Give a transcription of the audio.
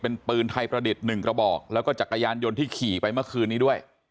เป็นปืนไทยประดิษฐ์๑กระบอกแล้วก็จักรยานยนต์ที่ขี่ไปเมื่อคืนนี้ด้วย